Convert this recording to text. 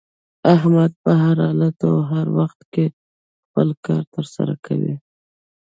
احمد په هر حالت او هر وخت کې خپل کار تر سره کوي.